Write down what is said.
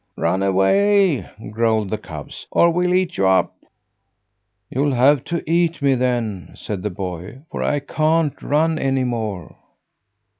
"Run away," growled the cubs, "or we'll eat you up!" "You'll have to eat me then," said the boy, "for I can't run any more."